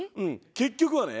結局はね